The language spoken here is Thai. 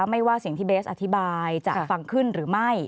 ไม่ว่าสิ่งที่เบสอธิบายจะฟังขึ้นหรือไม่